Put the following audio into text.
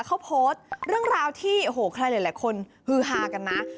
เขาโพสต์เรื่องราวที่โอ้โหใครหลายคนฮือฮากันนะ